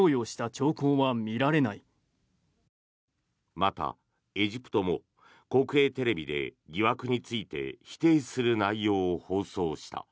また、エジプトも国営テレビで疑惑について否定する内容を放送した。